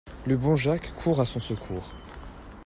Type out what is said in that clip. Le bon Jacques court à son secours.